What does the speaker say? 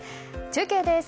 中継です。